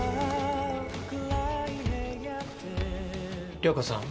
涼子さん。